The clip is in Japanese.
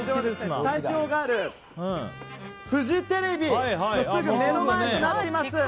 スタジオがあるフジテレビのすぐ目の前となっています。